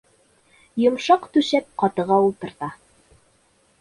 Йомшаҡ түшәп, ҡатыға ултырта.